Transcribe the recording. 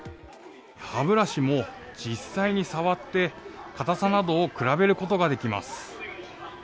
歯ブラシも、実際に触って、硬さなどを比べることができます。